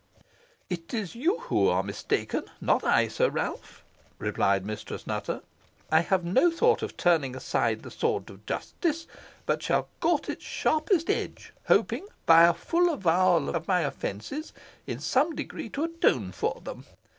"It is you who are mistaken, not I, Sir Ralph," replied Mistress Nutter. "I have no thought of turning aside the sword of justice, but shall court its sharpest edge, hoping by a full avowal of my offences, in some degree to atone for them.